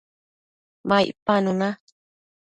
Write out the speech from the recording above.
ma icpanu na